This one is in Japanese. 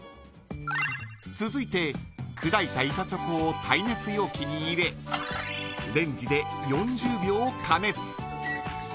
続いて、砕いた板チョコを耐熱容器に入れレンジで４０秒加熱。